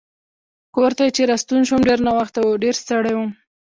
کور ته چې راستون شوم ډېر ناوخته و چې ډېر ستړی وم.